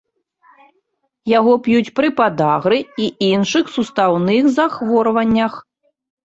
Яго п'юць пры падагры і іншых сустаўных захворваннях.